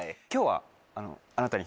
今日は。